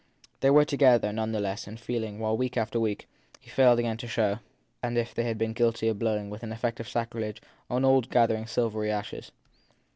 They were together, none the less, in feeling, while, week after week, he failed again to show, as if they had been guilty of blowing, with an effect of sacrilege, on old gathered silvery ashes.